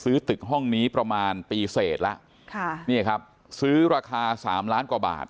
ซื้อตึกห้องนี้ประมาณปีเศษละค่ะเนี่ยครับซื้อราคาสามล้านกว่าบาท